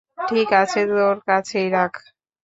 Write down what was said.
ঠিক আছে, তোর কাছেই রাখ।